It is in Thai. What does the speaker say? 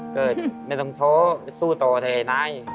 ก็ไม่ต้องโทษสู้ต่อไทยไหน